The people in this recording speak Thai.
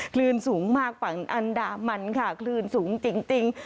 คลื่นสูงมากฝั่งอันดามันค่ะคลื่นสูงจริง